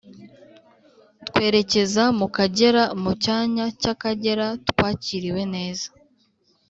twerekeza mu Kagera. Mu cyanya cy’Akagera, twakiriwe neza